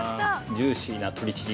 ジューシーな鶏チリ